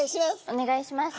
お願いします。